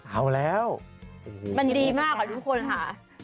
เอาแล้วมันดีมากค่ะทุกคนค่ะ